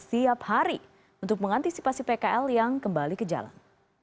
setiap hari untuk mengantisipasi pkl yang kembali ke jalan